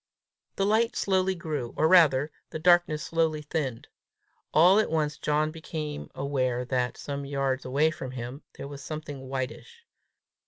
The light slowly grew, or rather, the darkness slowly thinned. All at once John became aware that, some yards away from him, there was something whitish.